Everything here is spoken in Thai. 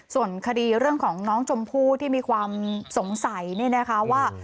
ส่วนคดีเรื่องของน้องชมพู่ที่มีความสงสัยเนี่ยนะคะว่า